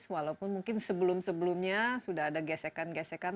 walaupun mungkin sebelum sebelumnya sudah ada gesekan gesekan